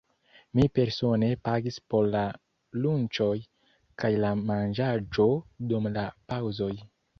Mi persone pagis por la lunĉoj kaj la manĝaĵo dum la paŭzoj.